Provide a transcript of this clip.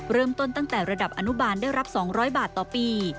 ตั้งแต่ระดับอนุบาลได้รับ๒๐๐บาทต่อปี